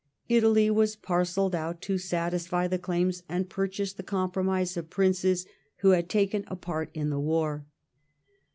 Italy was parcelled out to satisfy the claims and purchase the compromise of princes who had taken a part in the war.